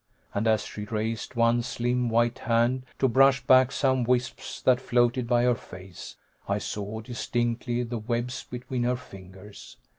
And as she raised one slim white hand to brush back some wisps that floated by her face, I saw distinctly the webs between her fingers.